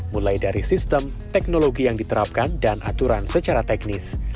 mulai dari sistem teknologi yang diterapkan dan aturan secara teknis